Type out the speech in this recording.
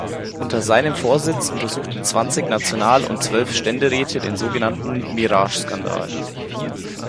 Unter seinem Vorsitz untersuchten zwanzig National- und zwölf Ständeräte den sogenannten Mirage-Skandal.